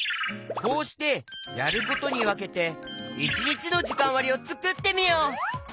こうしてやることにわけて１にちのじかんわりをつくってみよう！